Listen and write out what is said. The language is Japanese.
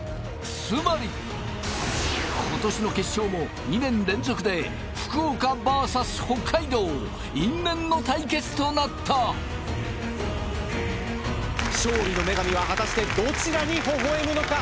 つまり今年の決勝も因縁の対決となった勝利の女神は果たしてどちらにほほ笑むのか？